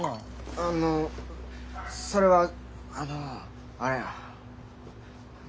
あのそれはあのあれや。